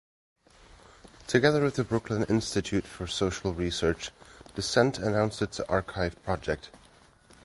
Together with the Brooklyn Institute for Social Research, "Dissent" announced its Archive project.